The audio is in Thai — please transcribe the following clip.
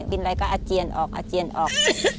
กินอะไรก็อาเจียนออก